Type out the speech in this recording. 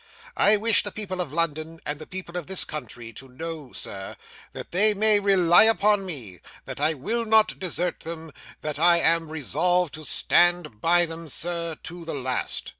I wish the people of London, and the people of this country to know, sir, that they may rely upon me that I will not desert them, that I am resolved to stand by them, Sir, to the last.